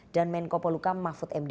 dan menko poluka mahfud md